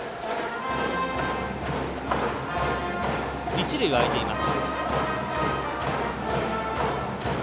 一塁は空いています。